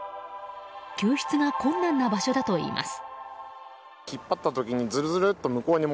救出が困難な場所だといいます。